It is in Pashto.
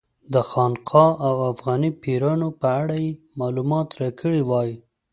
د خانقا او افغاني پیرانو په اړه یې معلومات راکړي وای.